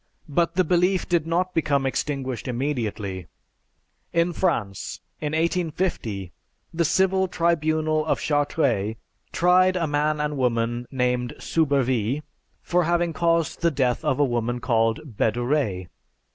But the belief did not become extinguished immediately. In France, in 1850, the Civil Tribunal of Chartres tried a man and woman named Soubervie for having caused the death of a woman called Bedouret.